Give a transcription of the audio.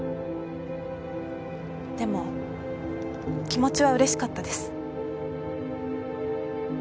でも気持ちはうれしかったです。